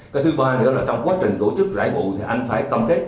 cái thứ ba nữa là trong quá trình tổ chức rải bụ thì anh phải công kết